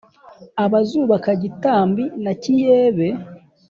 abazubaka gitambi na kiyebe